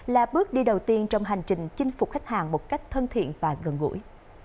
là bước đi đầu tiên trong hành trình chinh phục khách hàng một cách thân thiện và gần gũi